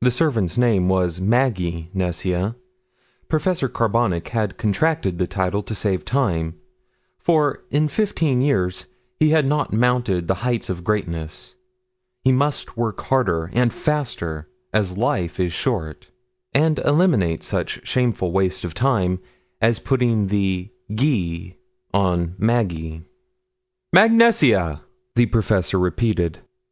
The servant's name was Maggie Nesia Professor Carbonic had contracted the title to save time, for in fifteen years he had not mounted the heights of greatness; he must work harder and faster as life is short, and eliminate such shameful waste of time as putting the "gie" on Maggie. "Mag Nesia!" the professor repeated.